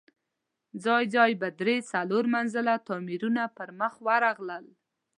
ځای ځای به درې، څلور منزله تاميرونه په مخه ورغلل.